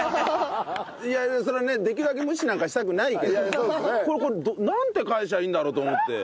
いやそりゃあねできるだけ無視なんかしたくないけどこれなんて返したらいいんだろうと思って。